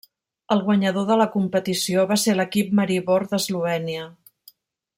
El guanyador de la competició va ser l'equip Maribor, d'Eslovènia.